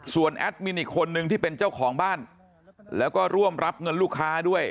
แอดมินอีกคนนึงที่เป็นเจ้าของบ้านแล้วก็ร่วมรับเงินลูกค้าด้วย